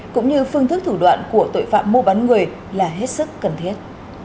cũng như phương thức thủ đoạn của tội phạm mua bán người là hết sức cần thiết